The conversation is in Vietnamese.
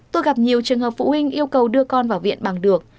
tôi gặp nhiều trường hợp phụ huynh yêu cầu đưa con vào viện bằng được